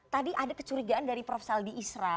tadi ada kecurigaan dari prof saldi isra